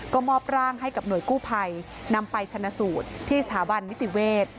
ก็มอบร่างให้กับหน่วยกู้ภัยนำไปชนะสูตรที่สถาบันนิติเวศ